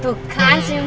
tuh kan senyum senyum